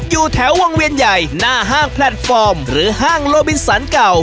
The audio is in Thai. อยู่แถววงเวียนใหญ่หน้าห้างแพลตฟอร์มหรือห้างโลบินสันเก่า